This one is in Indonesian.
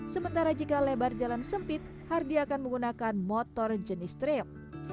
sementara jika lebar jalan sempit hardi akan menggunakan motor jenis trail